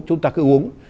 chúng ta cứ uống